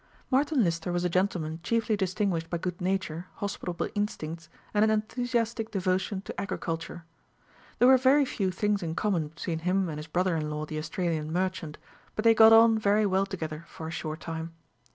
Martin Lister was a gentleman chiefly distinguished by good nature, hospitable instincts, and an enthusiastic devotion to agriculture. There were very few things in common between him and his brother in law the Australian merchant, but they got on very well together for a short time.